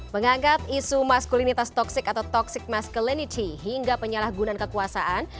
mengangkat isu maskulinitas toxic atau toxic masculinity hingga penyalahgunaan kekuasaan